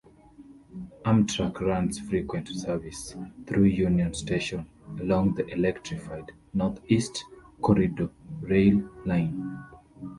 Amtrak runs frequent service through Union Station along the electrified Northeast Corridor rail line.